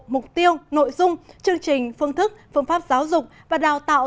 mục tiêu nội dung chương trình phương thức phương pháp giáo dục và đào tạo